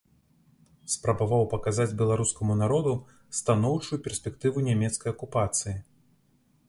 Спрабаваў паказаць беларускаму народу станоўчую перспектыву нямецкай акупацыі.